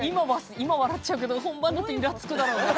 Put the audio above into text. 今笑っちゃうけど本番だとイラつくだろうな。